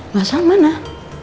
wah nggak sama nah